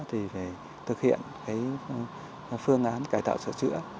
thì phải thực hiện cái phương án cải tạo sửa chữa